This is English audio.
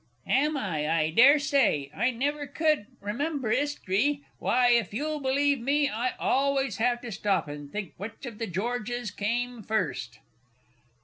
Am I? I dare say. I never could remember 'Istry. Why, if you'll believe me, I always have to stop and think which of the Georges came first!